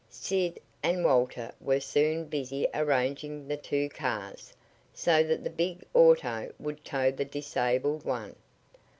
Sid and Walter were soon busy arranging the two cars, so that the big auto would tow the disabled one.